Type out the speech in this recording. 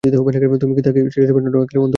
তুমি কি তাকে ছেড়ে যাবা ঠান্ডা, অন্ধকার কবরে।